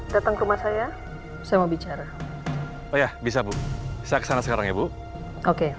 dari mana lagi aku bisa dapat petunjuk